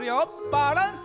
バランス！